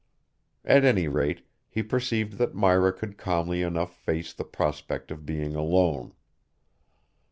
At any rate he perceived that Myra could calmly enough face the prospect of being alone.